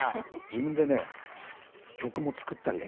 自分でね曲も作ったり。